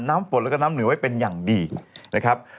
น้ำฝนแล้วก็น้ำเหนือไว้เป็นอย่างดีนะครับ